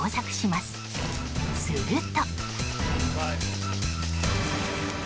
すると。